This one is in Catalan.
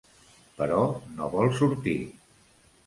Però no vol sortir.